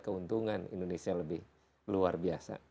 keuntungan indonesia lebih luar biasa